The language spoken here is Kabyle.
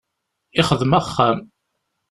Yexdem axxam.